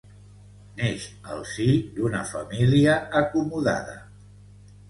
Neix al si d'una família acomodada.